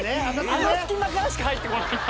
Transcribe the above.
あの隙間からしか入ってこないの。